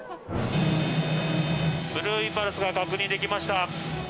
ブルーインパルスが確認できました。